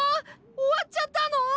おわっちゃったの？